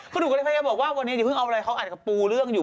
พิ้งกำลังจะบอกว่าวันนี้เดี๋ยวพิ่งเอาอะไรเค้าอัดปูเรื่องอยู่